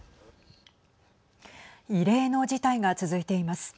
異例の事態が続いています。